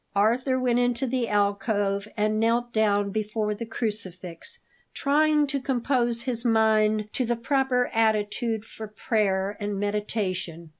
Arthur went into the alcove and knelt down before the crucifix, trying to compose his mind to the proper attitude for prayer and meditation.